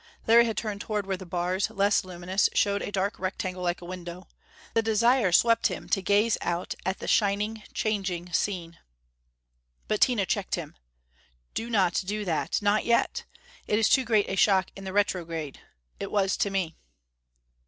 Larry had turned toward where the bars, less luminous, showed a dark rectangle like a window. The desire swept him to gaze out at the shining, changing scene. But Tina checked him. "Do not do that! Not yet! It is too great a shock in the retrograde. It was to me."